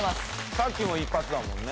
さっきも１発だもんね。